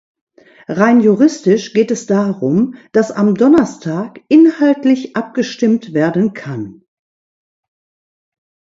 Rein juristisch geht es darum, dass am Donnerstag inhaltlich abgestimmt werden kann.